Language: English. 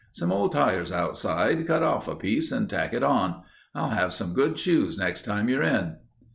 "Some old tires outside. Cut off a piece and tack it on. I'll have some good shoes next time you're in."